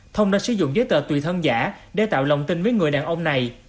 thông đã sử dụng giấy tờ tùy thân giả để tạo lòng tin với người đàn ông này